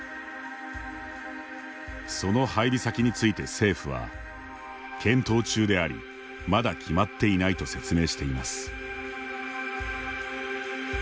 その配備先について政府は検討中でありまだ決まっていないと説明しています。